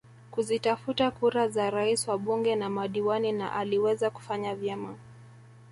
Kuzitafuta kura za Rais wabunge na madiwani na aliweza kufanya vyema